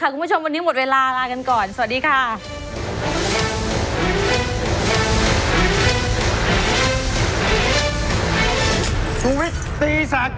ขอบคุณผู้ชมวันนี้หมดเวลาลากันก่อน